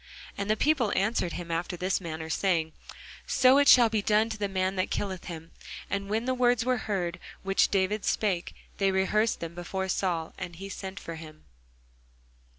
And the people answered him after this manner, saying, So shall it be done to the man that killeth him. And when the words were heard which David spake, they rehearsed them before Saul: and he sent for him.